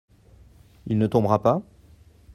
Il ne tombera pas ?